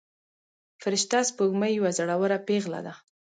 فرشته سپوږمۍ یوه زړوره پيغله ده.